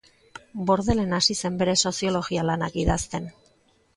Bordelen hasi zen bere soziologia lanak idazten.